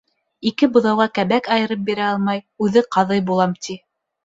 Ике быҙауға кәбәк айырып бирә алмай, үҙе ҡаҙый булам, ти.